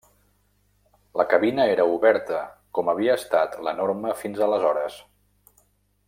La cabina era oberta, com havia estat la norma fins aleshores.